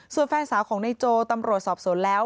ส่วนแฟนสาวของนายโจตำรวจสอบสวนแล้ว